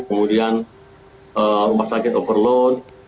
kemudian rumah sakit overload